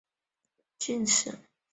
陆广霖为乾隆四年己未科进士。